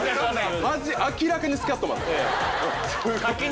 明らかにスキャットマン。